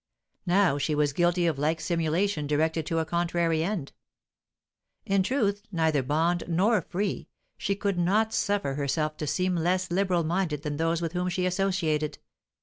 Now she was guilty of like simulation directed to a contrary end. In truth neither bond nor free, she could not suffer herself to seem less liberal minded than those with whom she associated.